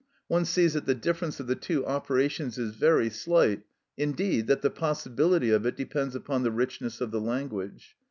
One sees that the difference of the two operations is very slight; indeed, that the possibility of it depends upon the richness of the language.